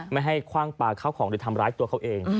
ไม่ให้คว่างปลาเข้าของหรือทำร้ายตัวเขาเอง